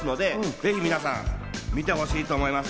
ぜひ皆さん見ていただきたいと思います。